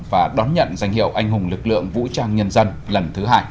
và đón nhận danh hiệu anh hùng lực lượng vũ trang nhân dân lần thứ hai